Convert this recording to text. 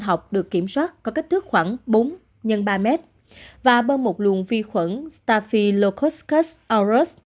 đèn fa uvc được kiểm soát có kích thước khoảng bốn x ba m và bơm một luồng vi khuẩn staphylococcus aureus